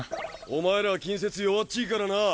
お前らは近接弱っちぃからな。